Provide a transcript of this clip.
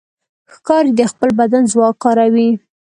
ښکاري د خپل بدن ځواک کاروي.